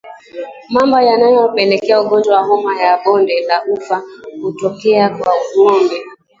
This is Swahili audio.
Mambo yanayopelekea ugonjwa wa homa ya bonde la ufa kutokea kwa ngombe